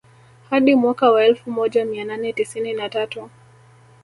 Hadi mwaka wa elfu moja mia nane tisini na tatu